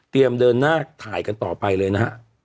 เดินหน้าถ่ายกันต่อไปเลยนะฮะ